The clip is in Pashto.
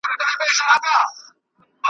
ځکه ژوند هغسي نه دی په ظاهره چي ښکاریږي `